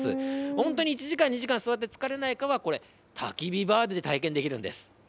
本当に１時間２時間座って疲れないかは焚き火ＢＡＲで体験できるんです。